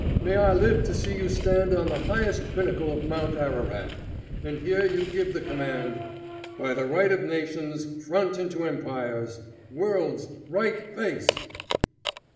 May I live to see you stand on the highest pinnacle of Mount Ararat, and hear you give the command, 'By the right of nations front into empires, worlds, right face!'"